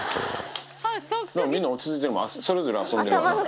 みんな落ち着いてるわ、それぞれ遊んでるわ。